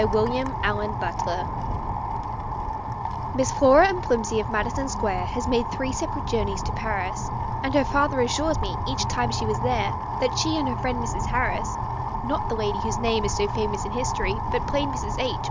WILLIAM ALLEN BUTLER NOTHING TO WEAR Miss Flora M'Flimsey, of Madison Square, Has made three separate journeys to Paris, And her father assures me, each time she was there, That she and her friend, Mrs. Harris (Not the lady whose name is so famous in history, But plain Mrs. H.